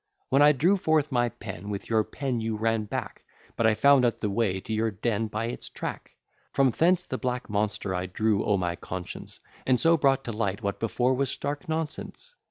When I drew forth my pen, with your pen you ran back; But I found out the way to your den by its track: From thence the black monster I drew, o' my conscience, And so brought to light what before was stark nonsense.